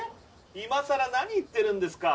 いまさら何言ってるんですか